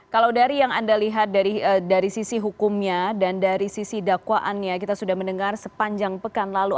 kalau dari yang anda lihat dari sisi hukumnya dan dari sisi dakwaannya kita sudah mendengar sepanjang pekan lalu